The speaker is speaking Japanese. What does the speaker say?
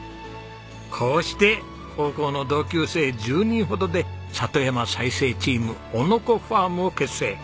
こうして高校の同級生１０人ほどで里山再生チーム男ノ子ファームを結成。